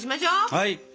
はい。